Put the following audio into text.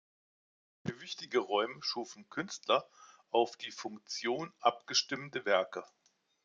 Für wichtige Räume schufen Künstler auf die Funktion abgestimmte Werke.